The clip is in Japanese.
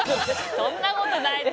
そんな事ないです。